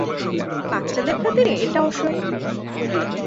বাচ্চাদের খাতিরে এটাও সই।